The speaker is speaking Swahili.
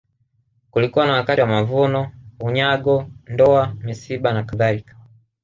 Kulikuwa na wakati wa mavuno unyago ndoa misiba na kadhalika